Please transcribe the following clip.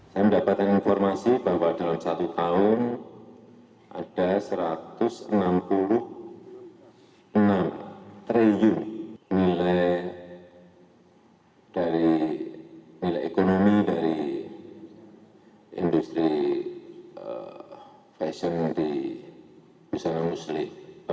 saya mendapatkan informasi bahwa dalam satu tahun ada satu ratus enam puluh enam triun nilai ekonomi dari industri fashion di busana muslim